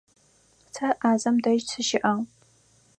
Сэ Ӏазэм дэжь сыщыӀагъ.